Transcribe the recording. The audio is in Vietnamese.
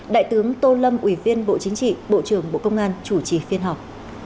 đại tướng tô lâm ủy viên bộ chính trị bộ trưởng bộ công an chủ trì phiên họp